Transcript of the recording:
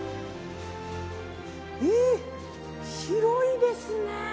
ええ広いですね！